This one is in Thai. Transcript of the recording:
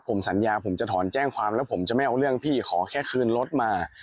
ผมสัญญาผมจะถอนแจ้งความแล้วผมจะไม่เอาเรื่องพี่ขอแค่คืนรถมา